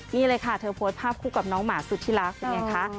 นี่เลยค่ะเธอโพสต์ภาพคู่กับน้องหมาสุดที่รักเป็นไงคะ